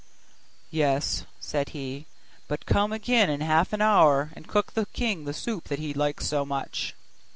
'Yes,' said he, 'but come again in half an hour, and cook the king the soup that he likes so much.